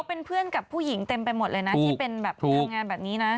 เป็นเพื่อนกับผู้หญิงเต็มไปหมดเลยนะที่เป็นแบบทำงานแบบนี้นะ